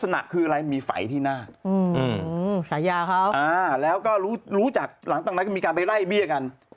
หลังจากนั้นก็มีการไปไล่มี่กัน